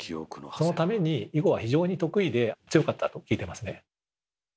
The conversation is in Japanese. そのために囲碁は得意で強かったと聞いてますね。